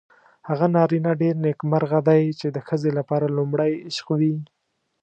هغه نارینه ډېر نېکمرغه دی چې د ښځې لپاره لومړی عشق وي.